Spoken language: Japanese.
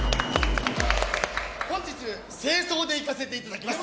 本日、清掃で行かせていただきます。